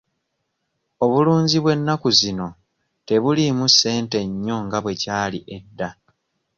Obulunzi bw'ennaku zino tebuliimu ssente nnyo nga bwe kyali edda.